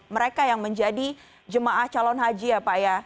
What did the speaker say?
mereka yang menjadi jemaah calon haji ya pak ya